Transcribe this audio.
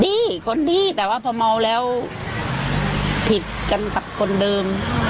ดีคนดีแต่ว่าพอเมาแล้วผิดกันกับคนเดิม